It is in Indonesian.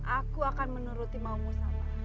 aku akan menuruti maumu sama